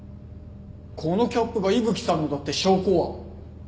このキャップが伊吹さんのだって証拠は？